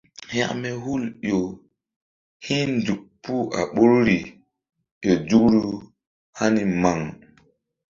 Hȩkme hul ƴo hi̧nzuk puh a ɓoruri ƴo nzukru hani maŋ.